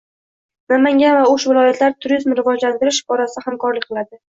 Namangan va O‘sh viloyatlari turizmni rivojlantirish borasida hamkorlik qiladi